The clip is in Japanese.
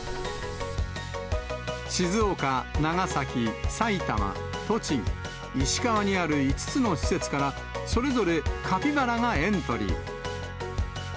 静岡、長崎、埼玉、栃木、石川にある５つの施設から、それぞれカピバラがエントリー。